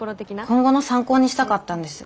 今後の参考にしたかったんです。